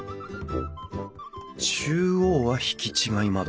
中央は引き違い窓。